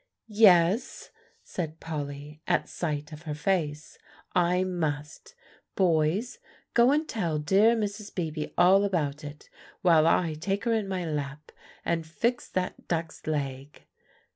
"Yes," said Polly at sight of her face. "I must. Boys, go and tell dear Mrs. Beebe all about it, while I take her in my lap and fix that duck's leg."